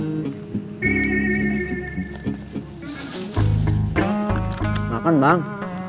nih makan bang